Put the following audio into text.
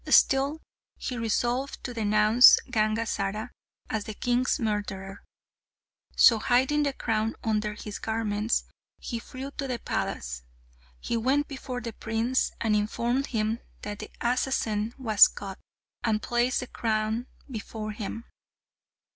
Still, he resolved to denounce Gangazara as the king's murderer, so, hiding the crown under his garments, he flew to the palace. He went before the prince and informed him that the assassin was caught, and placed the crown before him.